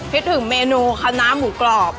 คิดถึงเมนูคณะหมูกรอบ